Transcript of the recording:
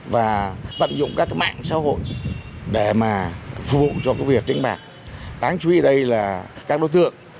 và tận dụng các cái mạng xã hội để mà phục vụ cho cái việc đánh bạc đáng chú ý đây là các đối tượng